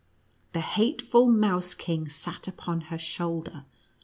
The hateful Mouse King sat upon her shoulder.